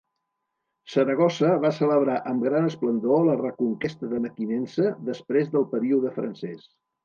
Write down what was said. Saragossa va celebrar amb gran esplendor la reconquesta de Mequinensa després del període francès.